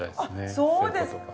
あっそうですか！